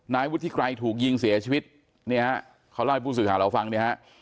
นายวุฒิไกรถูกยิงเสียชีวิตเนี่ยฮะเขาเล่าให้ผู้สื่อข่าวเราฟังเนี่ยฮะ